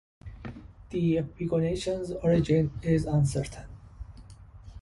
The epigonation's origin is uncertain.